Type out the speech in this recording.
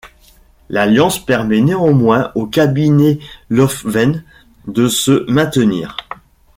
L'Alliance permet néanmoins au cabinet Löfven de se maintenir.